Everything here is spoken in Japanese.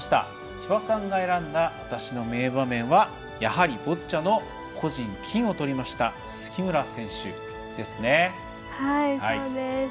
千葉さんが選んだ私の名場面はやはりボッチャで個人金をとった杉村選手ですね。